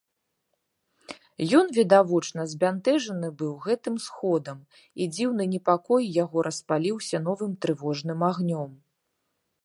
Ён відочна збянтэжаны быў гэтым сходам, і дзіўны непакой яго распаліўся новым трывожным агнём.